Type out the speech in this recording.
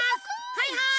はいはい。